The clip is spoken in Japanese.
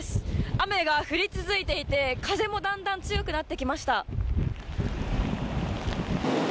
雨が降り続いていて、風もだんだん強くなってきました。